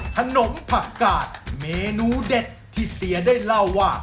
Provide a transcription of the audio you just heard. ขนมผักกาดเมนูเด็ดที่เตียได้เล่าว่า